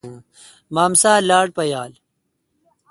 مامسا لاٹ پایال۔